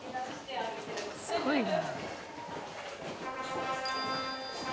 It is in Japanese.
すごいな。